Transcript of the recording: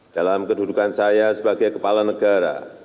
dalam kedudukan saya sebagai kepala negara